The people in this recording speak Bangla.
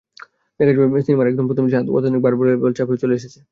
দেখা যাবে সিনেমার একদম প্রথম দৃশ্যে অত্যাধুনিক বাইভার্বালে চেপে চলে এসেছে তারা।